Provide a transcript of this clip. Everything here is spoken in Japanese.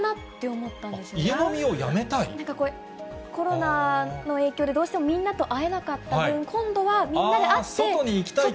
なんか、コロナの影響でどうしてもみんなと会えなかった分、今度はみんなで会って。